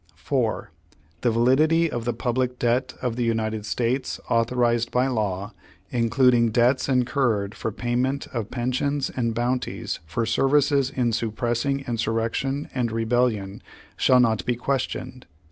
4. The validity of the public debt of the United States, authorized by law, including debts incurred for payment of pensions and bounties for services in suppressing insur rection and rebellion, shall not be questioned.